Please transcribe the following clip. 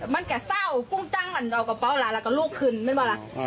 มันก็เศร้ากุ้งจังมันเอากระเป๋าหลานแล้วก็ลูกขึ้นไม่ป่ะล่ะ